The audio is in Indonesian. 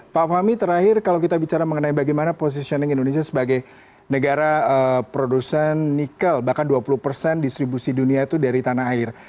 pak fahmi terakhir kalau kita bicara mengenai bagaimana positioning indonesia sebagai negara produsen nikel bahkan dua puluh persen distribusi dunia itu dari tanah air